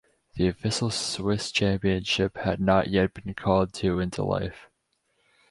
The official Swiss championship had not yet been called to into life.